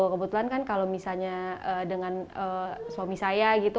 kebetulan kan kalau misalnya dengan suami saya gitu